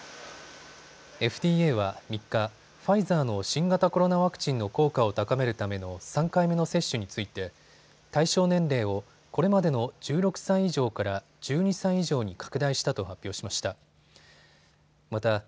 ＦＤＡは３日、ファイザーの新型コロナワクチンの効果を高めるための３回目の接種について対象年齢をこれまでの１６歳以上から１２歳以上に拡大したと発表しました。